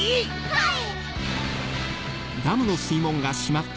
はい！